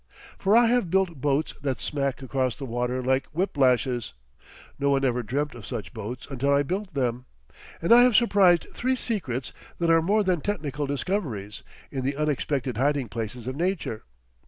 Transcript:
For I have built boats that smack across the water like whiplashes; no one ever dreamt of such boats until I built them; and I have surprised three secrets that are more than technical discoveries, in the unexpected hiding places of Nature.